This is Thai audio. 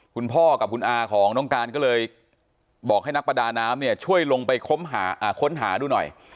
คุณพ่อกับคุณอาของน้องการก็เลยบอกให้นักประดาน้ำเนี่ยช่วยลงไปค้นหาค้นหาดูหน่อย